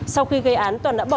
sau khi gây án toàn đã bỏ đi